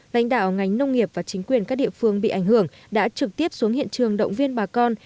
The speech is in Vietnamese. lãnh đạo ngành nông nghiệp và chính quyền các địa phương bị ảnh hưởng đã trực tiếp xuống hiện trường động viên bà con